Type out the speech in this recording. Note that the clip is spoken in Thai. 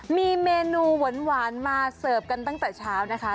มีเมนูหวานมาเสิร์ฟกันตั้งแต่เช้านะคะ